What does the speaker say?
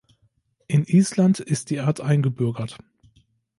In Island ist die Art eingebürgert.